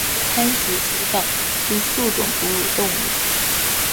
美洲攀鼠属等之数种哺乳动物。